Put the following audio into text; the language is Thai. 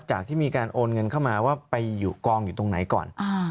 ที่มีการโอนเงินเข้ามาว่าไปอยู่กองอยู่ตรงไหนก่อน